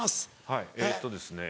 はいえっとですね